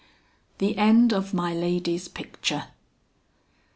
THE END OF MY LADY'S PICTURE.